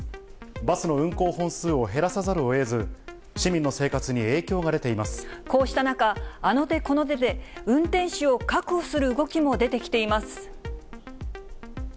バスの運行本数を減らさざるをえず、市民の生活に影響が出ていまこうした中、あの手この手で、運転手を確保する動きも出てきています。